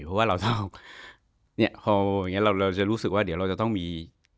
เพราะว่าเราจะรู้สึกว่าเดี๋ยวเราจะต้องมี